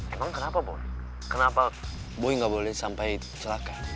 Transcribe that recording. emang kenapa boy kenapa boy gak boleh sampai celaka